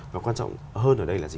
và quan trọng hơn ở đây là gì